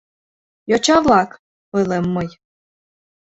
«Йоча-влак! — ойлем мый.